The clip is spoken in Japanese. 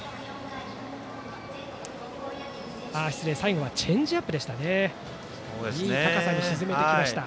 失礼、最後はチェンジアップでした。